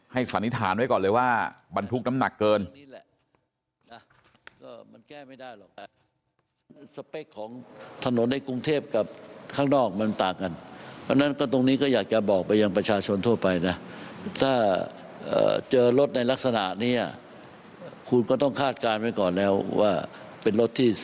สันนิษฐานไว้ก่อนเลยว่าบรรทุกน้ำหนักเกิน